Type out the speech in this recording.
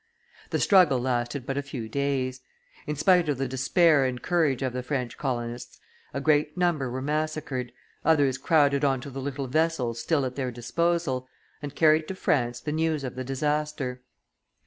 The struggle lasted but a few days, in spite of the despair and courage of the French colonists; a great number were massacred, others crowded on to the little vessels still at their disposal, and carried to France the news of the disaster.